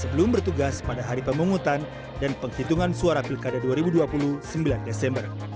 sebelum bertugas pada hari pemungutan dan penghitungan suara pilkada dua ribu dua puluh sembilan desember